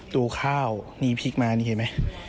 ดูข้าวนี่พริกมานี่เห็นไหม